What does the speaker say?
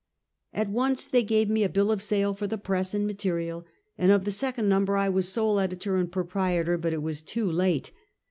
At once they gave me a bill of sale for the press and material, and of the second number I was sole editor and proprietor, but it was too late.